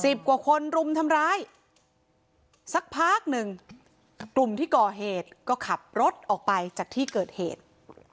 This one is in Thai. กว่าคนรุมทำร้ายสักพักหนึ่งกลุ่มที่ก่อเหตุก็ขับรถออกไปจากที่เกิดเหตุ